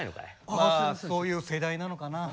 まあそういう世代なのかな。